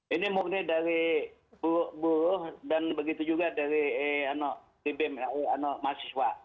ini murni dari buru buru dan begitu juga dari mahasiswa